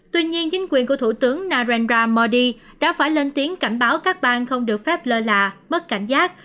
tuy nhiên chính quyền của thủ tướng narendra modi đã phải lên tiếng cảnh báo các bang không được phép lơ là mất cảnh giác